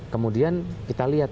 kemudian kita lihat